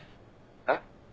えっ？